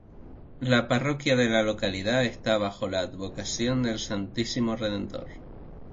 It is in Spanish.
La parroquia de la localidad está bajo la advocación del "Santísimo Redentor".